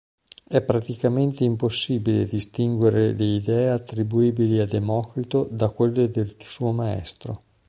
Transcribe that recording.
È praticamente impossibile distinguere le idee attribuibili a Democrito da quelle del suo maestro.